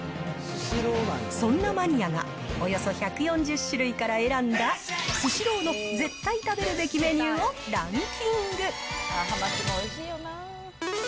そんなマニアが、およそ１４０種類から選んだ、スシローの絶対食べるべきメニューをランキング。